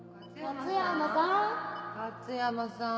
勝山さん。